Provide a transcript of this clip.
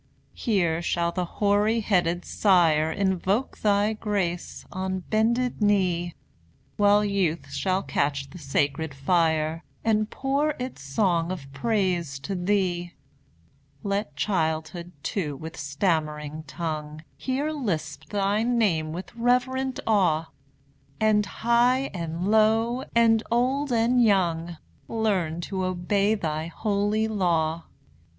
Here shall the hoary headed sire Invoke thy grace, on bended knee; While youth shall catch the sacred fire, And pour its song of praise to Thee. Let childhood, too, with stammering tongue, Here lisp thy name with reverent awe; And high and low, and old and young, Learn to obey thy holy law.